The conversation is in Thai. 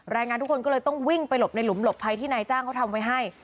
แรงงานทุกคนก็เลยต้องวิ่งไปหลบในหลุมหลบภัยที่นายจ้างเขาทำไว้ให้